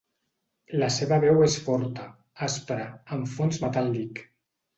La seva veu és forta, aspra, amb fons metàl·lic.